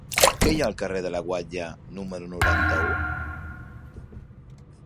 Què hi ha al carrer de la Guatlla número noranta-u?